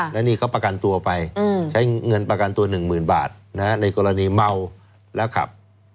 แล้วนี่เขาประกันตัวไปใช้เงินประกันตัว๑๐๐๐บาทในกรณีเมาแล้วขับ